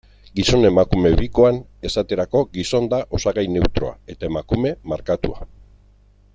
Gizon-emakume bikoan, esaterako, gizon da osagai neutroa, eta emakume markatua.